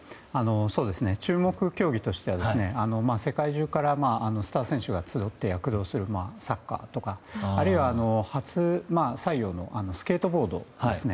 注目競技としては世界中からスター選手が集って躍動するサッカーとかあるいは初採用のスケートボードですね。